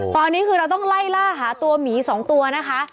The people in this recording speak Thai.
ตอนนี้คือเราต้องไล่ล่าหาตัวหมี๒ตัวนะคะ